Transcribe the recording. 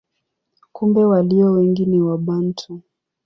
Kumbe walio wengi ni Wabantu.